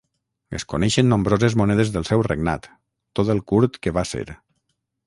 Es coneixen nombroses monedes del seu regnat, tot el curt que va ser.